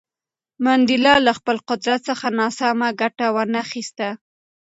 منډېلا له خپل قدرت څخه ناسمه ګټه ونه خیسته.